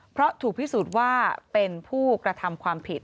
เพราะถูกพิสูจน์ว่าเป็นผู้กระทำความผิด